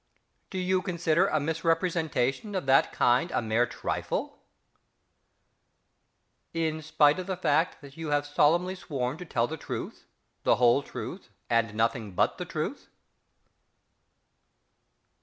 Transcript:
Do you consider a misrepresentation of that kind a mere trifle?... In spite of the fact that you have solemnly sworn to tell the truth, the whole truth and nothing but the truth?...